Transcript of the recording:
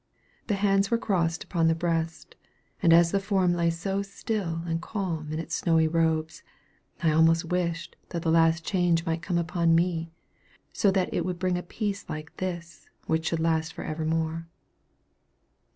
The hands were crossed upon the breast; and as the form lay so still and calm in its snowy robes, I almost wished that the last change might come upon me, so that it would bring a peace like this, which should last for evermore.